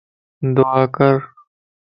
دعا ڪر